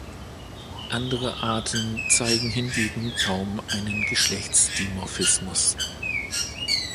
Andere Arten zeigen hingegen kaum einen Geschlechtsdimorphismus.